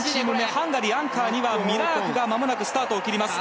ハンガリーアンカーにはミラークがスタートを切ります。